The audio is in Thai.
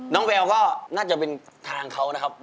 แววก็น่าจะเป็นทางเขานะครับ